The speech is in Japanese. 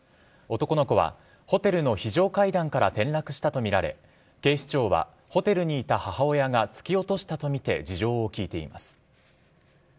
男の子は、ホテルの非常階段から転落したと見られ、警視庁は、ホテルにいた母親が突き落としたと見て事情を聴いています。